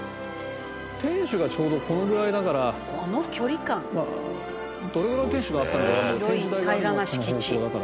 天守がちょうどこのぐらいだからどれぐらいの天守があったのかわかんないけど。